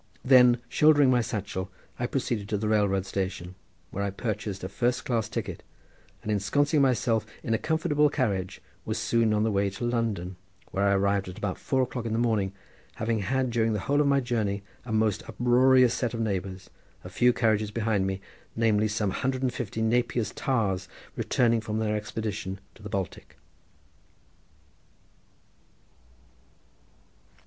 Then shouldering my satchel I proceeded to the railroad station, where I purchased a first class ticket, and ensconcing myself in a comfortable carriage was soon on the way to London, where I arrived at about four o'clock in the morning, having had during the whole of my journey a most uproarious set of neighbours a few carriages behind me, namely some hundred and fifty of Napier's tars returning from their expedition to the Baltic.